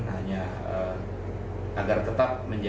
hanya agar tetap menjaga